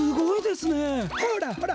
ほらほら！